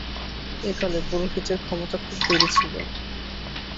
এ-কালে পুরোহিতের ক্ষমতা খুব বেড়েছিল।